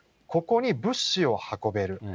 ここに物資を運べる。